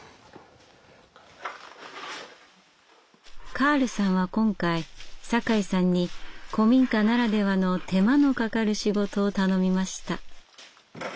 カールさんは今回酒井さんに古民家ならではの手間のかかる仕事を頼みました。